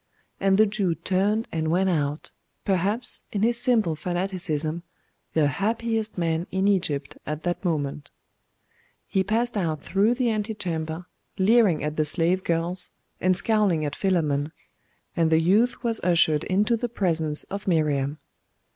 And the Jew turned and went out, perhaps, in his simple fanaticism, the happiest man in Egypt at that moment. He passed out through the ante chamber, leering at the slave girls, and scowling at Philammon; and the youth was ushered into the presence of Miriam.